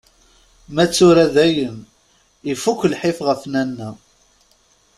Ma d tura dayen, ifuk lḥif ɣef Nanna.